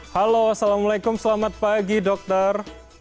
halo assalamualaikum selamat pagi dokter